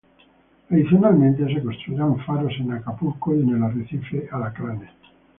Adicionalmente se construirían faros en Acapulco y en el arrecife Alacranes.